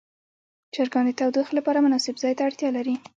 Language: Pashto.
چرګان د تودوخې لپاره مناسب ځای ته اړتیا لري.